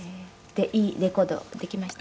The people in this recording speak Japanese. で、いいレコードできました？